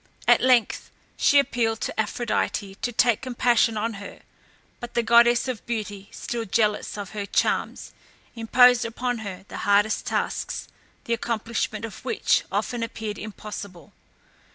At length she appealed to Aphrodite to take compassion on her; but the goddess of Beauty, still jealous of her charms, imposed upon her the hardest tasks, the accomplishment of which often appeared impossible.